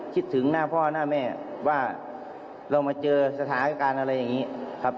คิดถึงหน้าพ่อหน้าแม่ว่าเรามาเจอสถานการณ์อะไรอย่างนี้ครับ